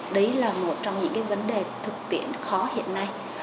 đấy là một trong những vấn đề thực tiễn khó hiện nay